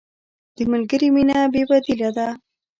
د ملګري مینه بې بدیله ده.